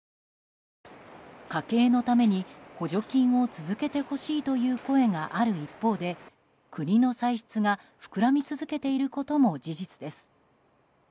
家計のために補助金を続けてほしいという声がある一方で、国の歳出が膨らみ続けていることも事実です。